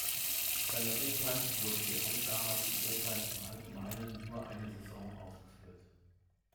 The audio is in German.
Seine Opern wurden wie alle damaligen Opern im Allgemeinen nur eine Saison aufgeführt.